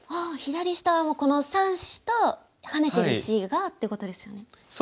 ああ左下はもうこの３子とハネてる石がっていうことですよね。